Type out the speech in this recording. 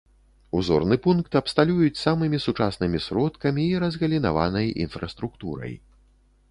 Узорны пункт абсталююць самымі сучаснымі сродкамі і разгалінаванай інфраструктурай.